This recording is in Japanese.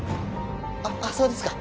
あっそうですか。